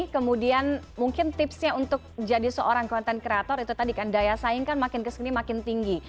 kemudian mungkin tipsnya untuk jadi seorang konten kreator itu tadi kan daya saing kan makin kesini makin tinggi